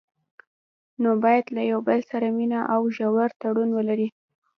نو باید له یو بل سره مینه او ژور تړون ولري.